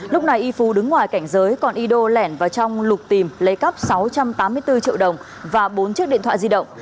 lúc này y phú đứng ngoài cảnh giới còn yo lẻn vào trong lục tìm lấy cắp sáu trăm tám mươi bốn triệu đồng và bốn chiếc điện thoại di động